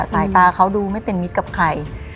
สายตาเขาดูไม่เป็นมิตรกับใคร